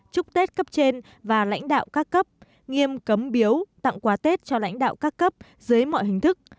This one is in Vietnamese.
chúc tết cấp trên và lãnh đạo các cấp nghiêm cấm biếu tặng quà tết cho lãnh đạo các cấp dưới mọi hình thức